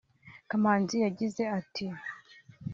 Kamanzi yagize ati